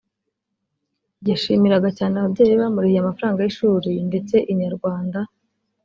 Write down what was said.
yashimiraga cyane ababyeyi be bamurihiye amafaranga y’ishuri ndetse Inyarwanda